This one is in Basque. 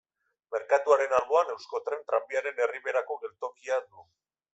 Merkatuaren alboan Euskotren Tranbiaren Erriberako geltokia du.